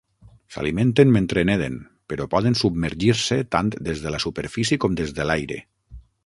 S'alimenten mentre neden, però poden submergir-se tant des de la superfície com des de l'aire.